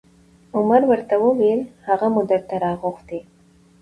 عمر ورته وویل: هغه مو درته راغوښتی